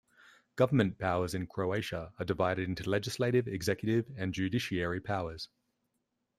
Government powers in Croatia are divided into legislative, executive and judiciary powers.